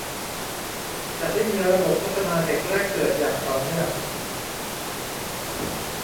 จัดให้มีระบบพัฒนาเด็กแรกเกิดอย่างต่อเนื่อง